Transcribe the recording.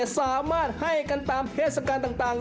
สามารถให้กันตามเทศกาลต่าง